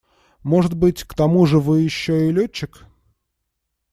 Может быть, к тому же вы еще и летчик?